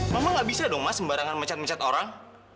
mama nggak bisa dong ma sembarangan mecat mecat orang